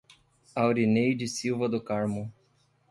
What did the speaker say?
Aurineide Silva do Carmo